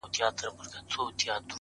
o د نازولي یار په یاد کي اوښکي غم نه دی؛